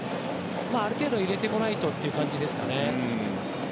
ある程度、入れてこないとという感じですかね。